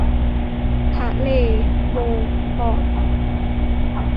ทะเลโบฟอร์ต